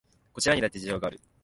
こちらにだって事情がある